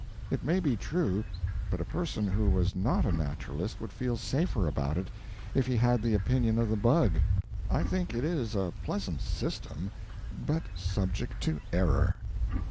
It may be true, but a person who was not a naturalist would feel safer about it if he had the opinion of the bug. I think it is a pleasant System, but subject to error.